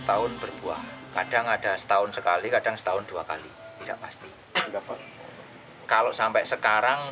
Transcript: tahun berbuah kadang ada setahun sekali kadang setahun dua kali tidak pasti dapat kalau sampai sekarang